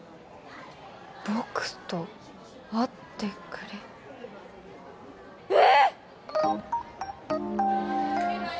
僕と会ってくれええ！？